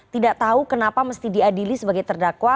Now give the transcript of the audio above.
tidak tahu kenapa mesti diadili sebagai terdakwa